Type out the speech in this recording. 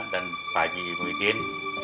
dan pak haji ibu idin